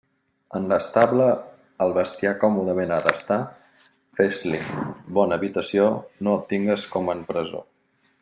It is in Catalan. En l'estable el bestiar còmodament ha d'estar; fes-li bona habitació, no el tingues com en presó.